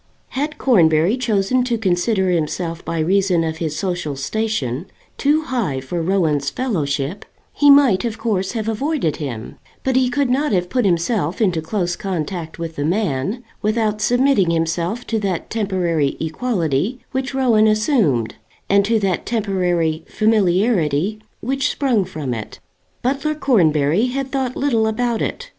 Had Cornbury chosen to consider himself by reason of his social station too high for Rowan's fellowship, he might of course have avoided him; but he could not have put himself into close contact with the man, without submitting himself to that temporary equality which Rowan assumed, and to that temporary familiarity which sprung from it. Butler Cornbury had thought little about it.